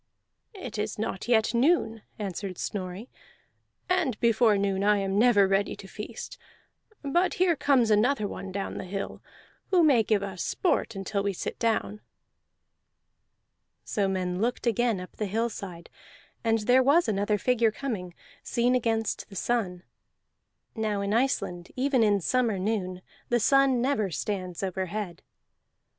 "It is not yet noon," answered Snorri, "and before noon I am never ready to feast. But here comes another one down the hill, who may give us sport until we sit down." So men looked again up the hillside, and there was another figure coming, seen against the sun. (Now in Iceland, even in summer noon, the sun never stands overhead.)